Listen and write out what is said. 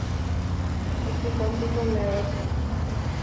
একটি computer lab আছে।